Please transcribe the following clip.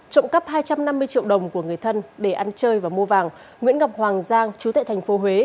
trộm cắp hai trăm năm mươi triệu đồng của người thân để ăn chơi và mua vàng nguyễn ngọc hoàng giang chú tại tp huế